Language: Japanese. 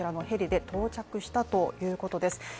ヘリで到着したということです。